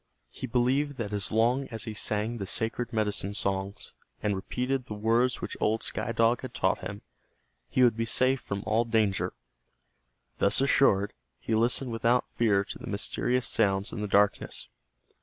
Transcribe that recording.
He believed that as long as he sang the sacred medicine songs, and repeated the words which old Sky Dog had taught him, he would be safe from all danger. Thus assured, he listened without fear to the mysterious sounds in the darkness.